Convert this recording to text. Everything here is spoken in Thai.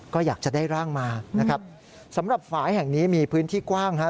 ก็อยากจะได้ร่างมานะครับสำหรับฝ่ายแห่งนี้มีพื้นที่กว้างฮะ